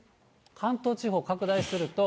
関東地方、拡大すると。